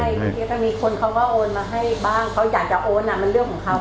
ก็มีคนเขาก็โอนมาให้บ้าง